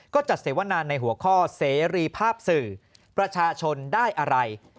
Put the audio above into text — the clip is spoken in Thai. ก็จัดเสวนาในหัวข้อเสรีภาพสื่อประชาชนได้อะไร